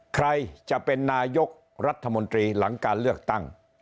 ใครจะเป็นนายกรัฐมนตรีหลังการเลือกตั้ง